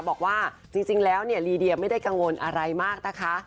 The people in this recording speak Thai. บอกว่าจริงแล้วเนี่ยลีเดียไม่ได้กังวลอะไรมากนะคะ